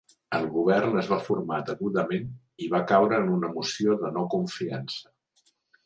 El govern es va formar degudament i va caure en una moció de no confiança.